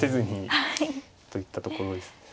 といったところです。